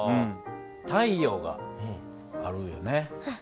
太陽があるよね。